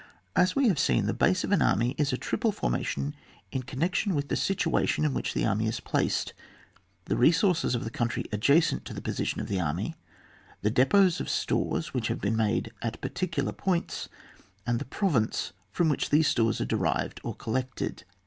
As we have seen, the base of an army is a triple formation in connection with the situa tion in which an army is placed: the resources of the country adjacent to the position of the army, the depots of stores which have been made at par ticular points, and the province from which these stores are derived or col lected.